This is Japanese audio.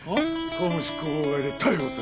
公務執行妨害で逮捕する！